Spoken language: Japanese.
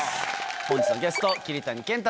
本日のゲスト桐谷健太さんです